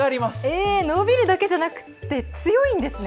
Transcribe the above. えー、伸びるだけじゃなくて強いんですね。